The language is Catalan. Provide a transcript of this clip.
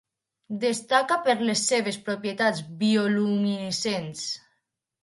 Destaca per les seves propietats bioluminescents.